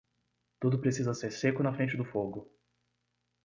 Tudo precisa ser seco na frente do fogo.